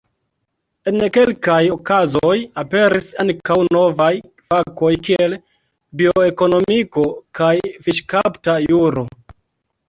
En kelkaj okazoj aperis ankaŭ novaj fakoj kiel bioekonomiko kaj fiŝkapta juro.